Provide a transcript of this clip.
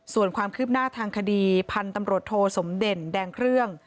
ส่วนความคืบหน้าทางคดีพันธุ์ตำรวจโทสมเด่นแดงเครื่อง